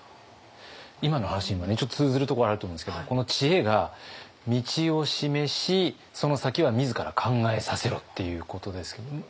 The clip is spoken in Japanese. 今の話にもねちょっと通ずるところあると思うんですけどこの知恵が「道を示しその先は自ら考えさせろ」っていうことですけど。